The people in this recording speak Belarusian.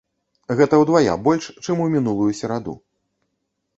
Гэта ўдвая больш, чым у мінулую сераду.